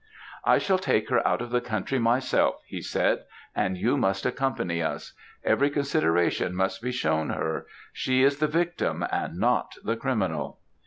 "'I shall take her out of the country myself,' he said, 'and you must accompany us. Every consideration must be shown her; she is the victim, and not the criminal.'